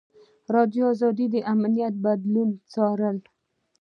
ازادي راډیو د امنیت بدلونونه څارلي.